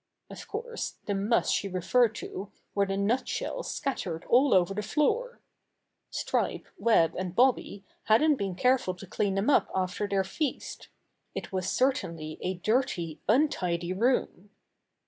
Of course, the muss she referred to were the nut shells scattered all over the floor. Stripe, Web and Bobby hadn't been careful to clean them up after their feast. It was cer tainly a dirty, untidy room.